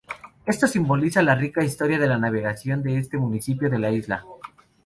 Esto simboliza la rica historia de la navegación de este municipio de la isla.